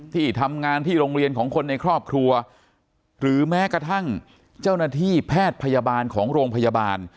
ที่ทำงานที่โรงเรียนของคนในครอบครัวหรือแม้กระทั่งเจ้าหน้าที่แพทย์พยาบาลของโรงพยาบาล